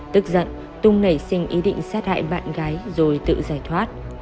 tức giận tung nảy sinh ý định sát hại bạn gái rồi tự giải thoát